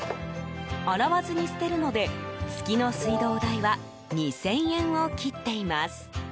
洗わずに捨てるので月の水道代は２０００円を切っています。